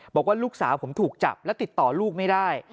บอกว่าลูกสาวผมถูกจับและติดต่อลูกไม่ได้